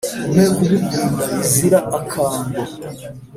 Impe kugukunda bizira akango